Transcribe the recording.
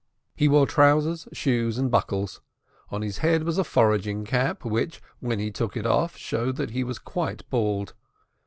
He wore trousers, shoes, and buckles. On his head was a foraging cap, which, when he took it off, showed that he was quite bald.